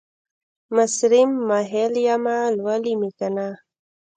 مصریم ، محل یمه ، لولی مې کنه